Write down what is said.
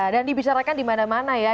dan dibicarakan di mana mana ya